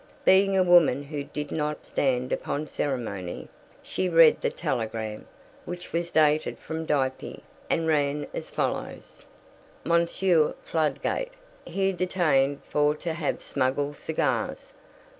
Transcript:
Being a woman who did not stand upon ceremony, she read the telegram, which was dated from Dieppe and ran as follows: "Monsieur Fladgate here detained for to have smuggle cigars.